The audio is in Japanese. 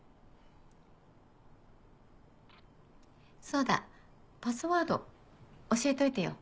そうだパスワード教えといてよ。